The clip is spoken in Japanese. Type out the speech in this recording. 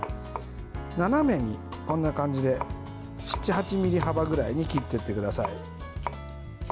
斜めにこんな感じで７８ｍｍ幅ぐらいに切っていってください。